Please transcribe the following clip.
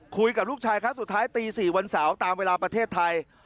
คุยกับลูกชายครั้งสุดท้ายตี๔วันเสาร์ตามเวลาประเทศไทย